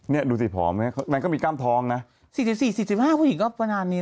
เนี้ยดูสิผอมเนี้ยมันก็มีกล้ามทองน่ะสี่สิบสี่สี่สิบห้าผู้หญิงก็ประมาณนี้